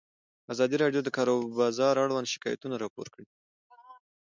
ازادي راډیو د د کار بازار اړوند شکایتونه راپور کړي.